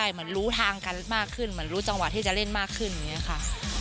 เหมือนเรามีการสื่อสารที่ดีขึ้นค่ะ